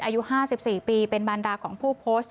อายุ๕๔ปีเป็นบรรดาของผู้โพสต์